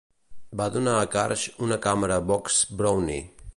Va donar a Karsh una càmera Box Brownie.